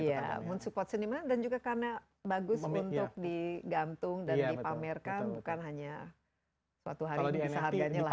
iya men support senimannya dan juga karena bagus untuk digantung dan dipamerkan bukan hanya suatu hari biasa harganya laku